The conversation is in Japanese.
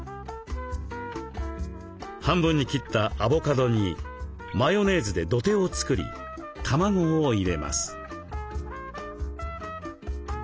半分に切ったアボカドにマヨネーズで土手を作り卵を入れます。